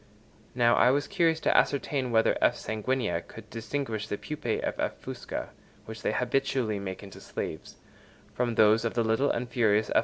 Now I was curious to ascertain whether F. sanguinea could distinguish the pupæ of F. fusca, which they habitually make into slaves, from those of the little and furious F.